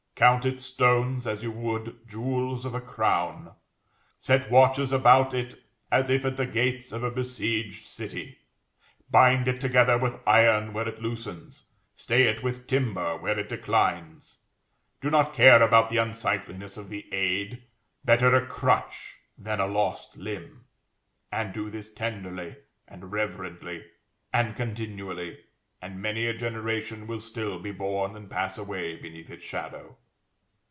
Count its stones as you would jewels of a crown; set watches about it as if at the gates of a besieged city; bind it together with iron where it loosens; stay it with timber where it declines; do not care about the unsightliness of the aid; better a crutch than a lost limb; and do this tenderly, and reverently, and continually, and many a generation will still be born and pass away beneath its shadow.